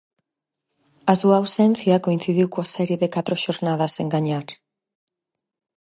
A súa ausencia coincidiu coa serie de catro xornadas sen gañar.